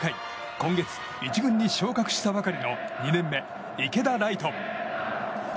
今月１軍に昇格したばかりの２年目、池田来翔。